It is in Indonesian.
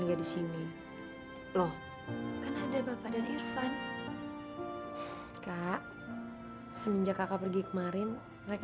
ya di sini loh kan ada bapak dan irfan kak semenjak kakak pergi kemarin mereka